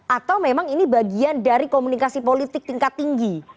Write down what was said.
atau memang ini bagian dari komunikasi politik tingkat tinggi